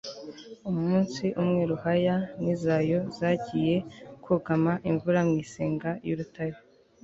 umunsi umwe, ruhaya n'izayo zagiye kugama imvura mw'isenga y'urutare